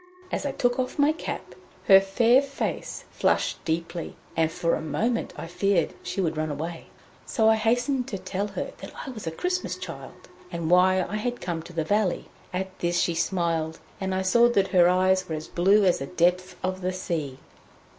As I took off my cap, her fair face flushed deeply, and for a moment I feared she would run away. So I hastened to tell her that I was a Christmas Child, and why I had come to the valley. At this she smiled, and I saw that her eyes were as blue as the depths of the sea.